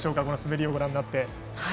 この滑りをご覧になって。